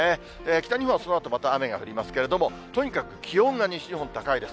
北日本はそのあとまた雨が降りますけれども、とにかく気温が西日本、高いです。